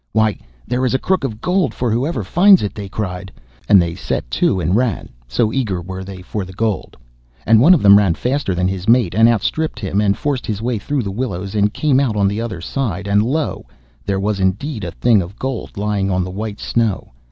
'Why! there is a crook of gold for whoever finds it,' they cried, and they set to and ran, so eager were they for the gold. And one of them ran faster than his mate, and outstripped him, and forced his way through the willows, and came out on the other side, and lo! there was indeed a thing of gold lying on the white snow.